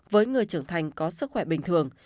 với người trưởng thành có sức khỏe bình thường